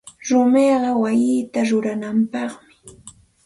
Rumiqa wayita ruranapaqmi.